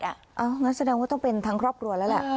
งั้นแสดงว่าต้องเป็นทั้งครอบครัวแล้วแหละ